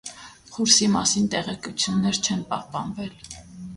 Խուրսի մասին տեղեկություններ չեն պահպանվել։